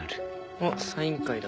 あっサイン会だ。